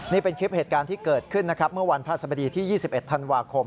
นี่เป็นคลิปเหตุการณ์ที่เกิดขึ้นนะครับเมื่อวันพระสบดีที่๒๑ธันวาคม